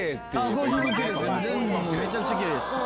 めちゃくちゃキレイです。